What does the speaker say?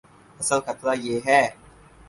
اصل خطرہ یہ ہے۔